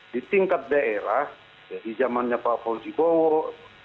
di tingkat daerah dari zamannya pak fawzi bowo